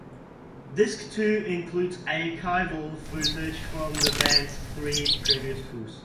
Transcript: Disc two includes archival footage from the band's three previous tours.